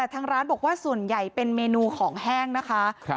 ทางร้านบอกว่าส่วนใหญ่เป็นเมนูของแห้งนะคะ